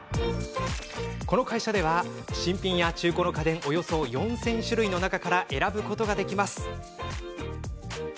この会社では、新品や中古の家電およそ４０００種類の中から選ぶことができます。